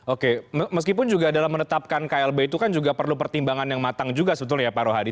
oke meskipun juga dalam menetapkan klb itu kan juga perlu pertimbangan yang matang juga sebetulnya ya pak rohadi